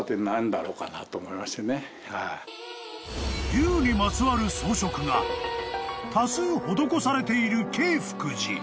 ［龍にまつわる装飾が多数施されている景福寺］